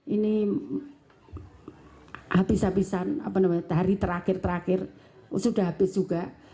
ini habis habisan hari terakhir terakhir sudah habis juga